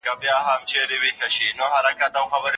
آيا هلته متقابل احترام او مينه سته؟